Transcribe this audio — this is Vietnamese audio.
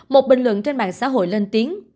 một bình luận trên mạng xã hội lên tiếng